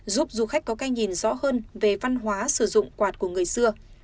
giúp du khách có cái nhìn rõ hơn về văn hóa sử dụng quạt của người xưa